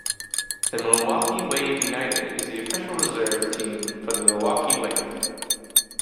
The Milwaukee Wave United is the official reserve team for the Milwaukee Wave.